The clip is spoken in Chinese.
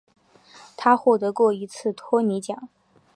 他获得过一次托尼奖。